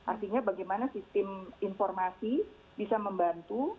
artinya bagaimana sistem informasi bisa membantu